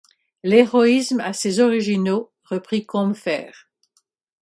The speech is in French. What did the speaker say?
L’héroïsme a ses originaux, reprit Combeferre.